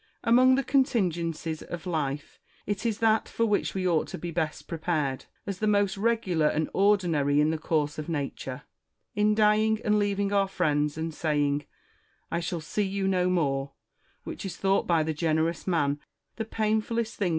Marcus. Among the contingencies of life, it is that for winch we ought to be best prepared, as the most regular and ordinary in the course of Nature. In dying, and leav ing our friends, and saying, " I shall see you no more," wliich is thouglit Ijy the generous man the painfullest thing MARCUS TULLIUS AND QUINCTUS CICERO.